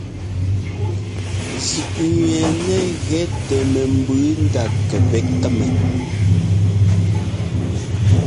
Zʉꞌnẅɛɛnɛ́ gɛ tɛ mɛmbʉʉ ndá kɛpɛ́ kɛ́mɛ.